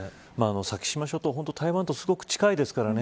先島諸島は台湾とすごく近いですからね。